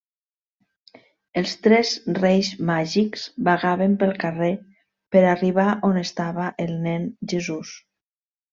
Els tres Reis Màgics vagaven pel carrer per arribar on estava el nen Jesús.